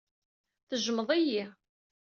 Tejjmeḍ-iyi.